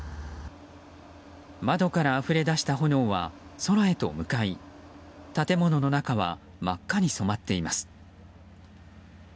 窓からあふれ出した炎は空へと向かい建物の中は真っ赤に染まっています。